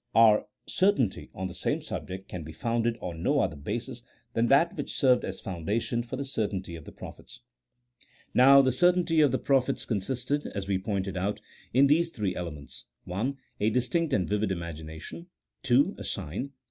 Our certainty on the same subject can be founded on no other basis than that which served as foundation for the certainty of the prophets. Now the certainty of the prophets consisted (as we pointed out) in these three elements :— (I.) A distinct and vivid imagination. (II.) A sign. (III.)